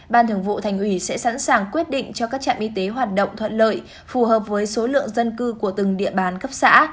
ban thường vụ thành ủy sẽ sẵn sàng quyết định cho các trạm y tế hoạt động thuận lợi phù hợp với số lượng dân cư của từng địa bàn cấp xã